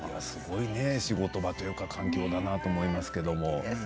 すごいね仕事場というか環境だなと思いますけど。